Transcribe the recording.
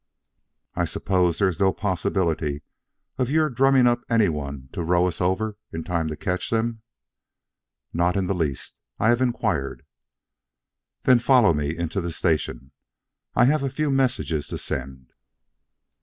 "I suppose there is no possibility of your drumming up anyone to row us over in time to catch them?" "None in the least. I have inquired." "Then follow me into the station. I have a few messages to send."